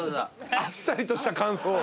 あっさりとした感想。